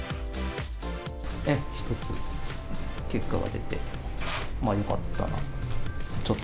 １つ結果が出て、よかったなと。